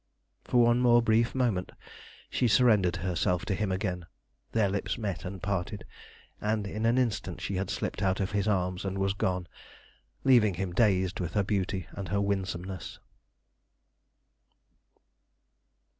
For one more brief moment she surrendered herself to him again. Their lips met and parted, and in an instant she had slipped out of his arms and was gone, leaving him dazed with her beauty and her winsomeness.